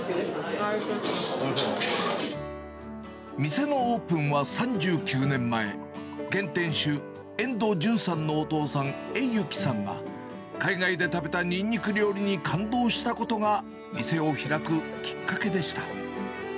店のオープンは３９年前、現店主、遠藤純さんのお父さん、栄行さんが、海外で食べたニンニク料理に感動したことが、店を開くきっかけでした。